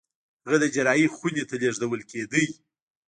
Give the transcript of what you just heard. هغه د جراحي خونې ته لېږدول کېده.